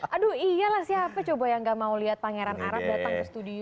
aduh iyalah siapa coba yang gak mau lihat pangeran arab datang ke studio